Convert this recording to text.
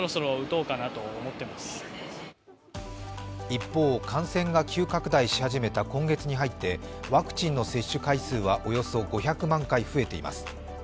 一方、感染が急拡大し始めた今月に入ってワクチンの接種回数はおよそ５００万回増えています。